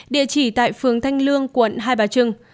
địa chỉ tại phường thanh lương quận hai bà trưng